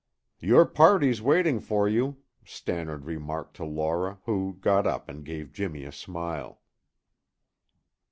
"Your party's waiting for you," Stannard remarked to Laura, who got up and gave Jimmy a smile.